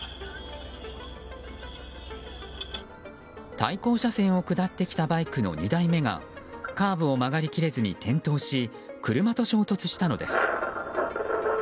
対向車線を下ってきたバイクの２台目がカーブを曲がり切れずに転倒し車と衝突したのです。